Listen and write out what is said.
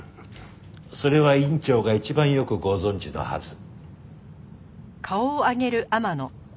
それは院長が一番よくご存じのはず。